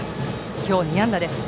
今日、２安打です。